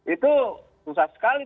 itu susah sekali